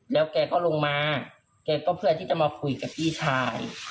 แล้วแกก็ลงมาแกก็เพื่อที่จะมาคุยกับพี่ชาย